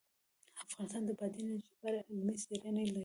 افغانستان د بادي انرژي په اړه علمي څېړنې لري.